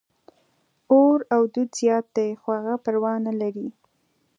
اور او دود زیات دي، خو هغه پروا نه لري.